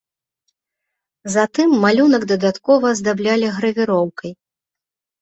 Затым малюнак дадаткова аздаблялі гравіроўкай.